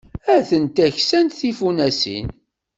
Atent-a ksant tfunasin.